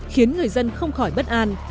khiến người dân không khỏi bất an